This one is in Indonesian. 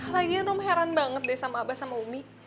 lagian heran banget deh sama abah sama umi